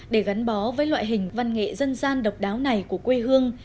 để gắn bó với loại hình văn nghệ dân gian độc đáo này của quê hương